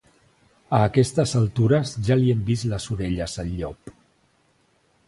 A aquestes altures ja li hem vist les orelles al llop.